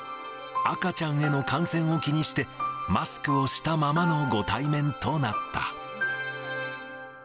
赤ちゃんへの感染を気にして、マスクをしたままのご対面となった。